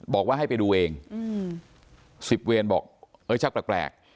บอกว่าให้ไปดูเองอืมสิบเวรบอกเอ้ยชักแปลกแปลก